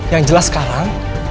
yang jelas sekarang